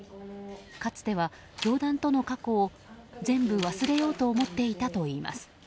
かつては教団との過去を全部忘れようと思っていたといいます。